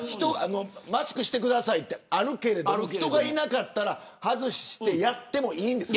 マスクしてくださいってあるけど人がいなかったら外してやってもいいんです。